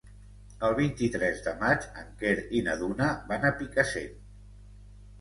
El vint-i-tres de maig en Quer i na Duna van a Picassent.